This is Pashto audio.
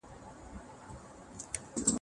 ځکه نو بسپنه ورکوونکې مهمه ده.